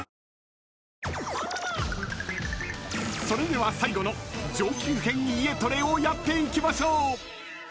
［それでは最後の上級編家トレをやっていきましょう］